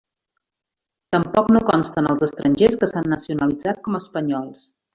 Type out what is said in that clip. Tampoc no consten els estrangers que s'han nacionalitzat com a espanyols.